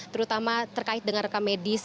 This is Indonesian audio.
terutama terkait dengan rekam medis